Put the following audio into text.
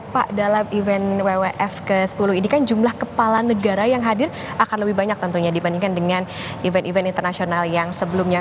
pak dalam event wwf ke sepuluh ini kan jumlah kepala negara yang hadir akan lebih banyak tentunya dibandingkan dengan event event internasional yang sebelumnya